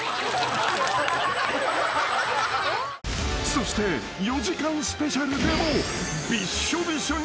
［そして４時間スペシャルでも］